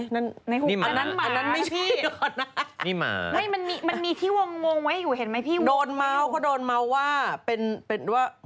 นี่หมานี่หมามันมีที่วงไว้อยู่เห็นไหมพี่โดนเม้าก็โดนเม้าว่าเป็นว่า